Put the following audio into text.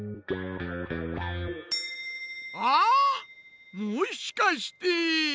あっもしかして！